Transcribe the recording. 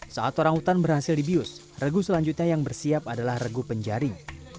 saat orang utan berhasil dibius regu selanjutnya yang bersiap adalah regu penjaring